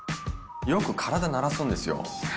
よく体鳴らすんですよ。